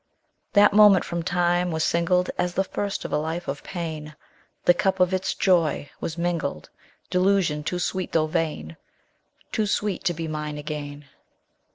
_10 3. That moment from time was singled As the first of a life of pain; The cup of its joy was mingled Delusion too sweet though vain! Too sweet to be mine again.